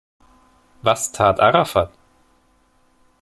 Was tat Arafat?